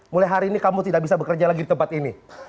mulai hari ini kamu tidak bisa bekerja lagi di tempat ini